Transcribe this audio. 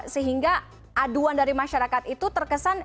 sehingga aduan dari masyarakat itu terkesan